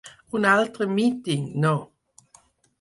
Un altre míting, no!